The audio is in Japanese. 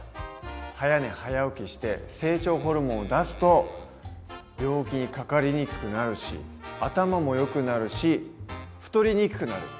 早寝早起きして成長ホルモンを出すと病気にかかりにくくなるし頭もよくなるし太りにくくなる。